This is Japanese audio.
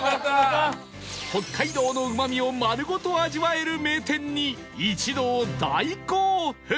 北海道のうまみを丸ごと味わえる名店に一同大興奮